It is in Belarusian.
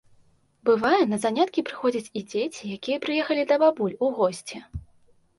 Бывае, на заняткі прыходзяць і дзеці, якія прыехалі да бабуль у госці.